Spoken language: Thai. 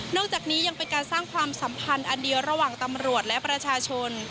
จากนี้ยังเป็นการสร้างความสัมพันธ์อันเดียวระหว่างตำรวจและประชาชน